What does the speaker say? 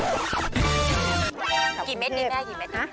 กี่เม็ดนี่แม่กี่เม็ดนะ